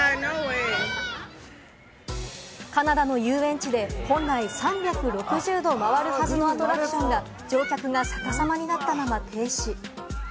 カナダの遊園地で、本来３６０度回るはずのアトラクションが、乗客が逆さまになったまま停止。